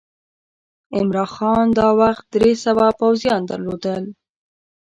عمرا خان دا وخت درې سوه پوځیان درلودل.